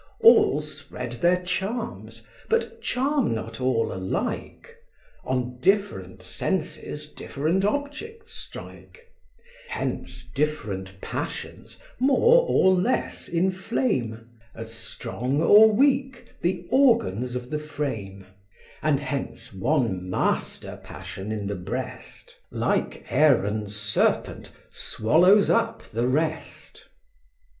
All spread their charms, but charm not all alike; On different senses different objects strike; Hence different passions more or less inflame, As strong or weak, the organs of the frame; And hence once master passion in the breast, Like Aaron's serpent, swallows up the rest.